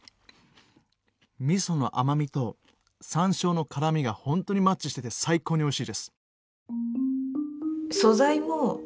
みその甘みと山椒の辛みが本当にマッチしてて最高においしいです。